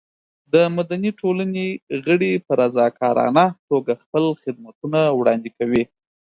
د مدني ټولنې غړي په رضاکارانه توګه خپل خدمتونه وړاندې کوي.